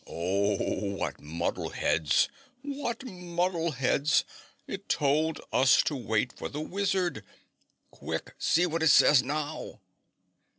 "Oh, what muddle heads, WHAT muddle heads! It told us to wait for the wizard. Quick, see what it says now?"